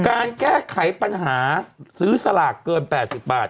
การแก้ไขปัญหาซื้อสลากเกิน๘๐บาท